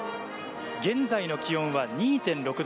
現在の気温は２．６度。